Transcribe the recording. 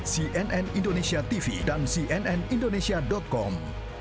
cnn indonesia tv dan cnn indonesia com